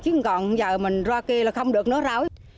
chứ còn giờ mình ra kia là không được nữa rau